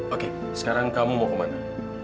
oke sekarang kamu mau kemana